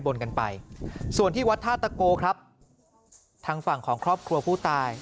บนกันไปส่วนที่วัดท่าตะโกครับทางฝั่งของครอบครัวผู้ตาย